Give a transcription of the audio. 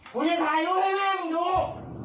กูจะถ่ายรู้ด้วยแม่งดู